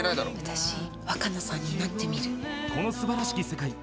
「私若菜さんになってみる」